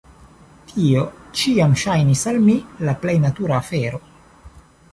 Tio ĉiam ŝajnis al mi la plej natura afero.